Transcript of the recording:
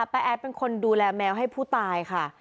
แอดเป็นคนดูแลแมวให้ผู้ตายค่ะ